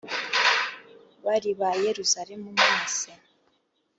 bari ba Yeruzalemu mwese